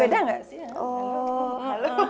beda gak sih